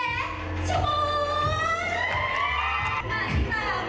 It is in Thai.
สุดปัญหาใจถามมิสแครนด์พี่สุโลก